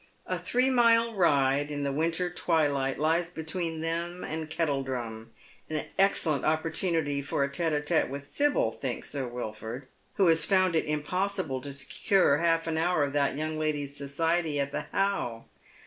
A three mile ride in the winter twilight lies between them and kettledrum ; an excellent opportunity for a tete ( fete witli Sib_yl, thinks Sir Wilford, who has found it impossible to secure half an hour of that young lady's society at the How.